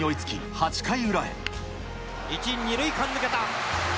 １、２塁間抜けた。